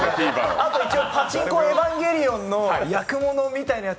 あと、パチンコエヴァンゲリオンの見切れてるやつ